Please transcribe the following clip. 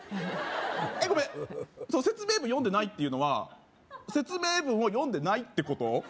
えっごめん説明文読んでないっていうのは説明文を読んでないってこと？